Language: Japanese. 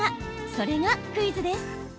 それがクイズです。